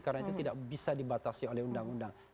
karena itu tidak bisa dibatasi oleh undang undang